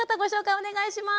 お願いします。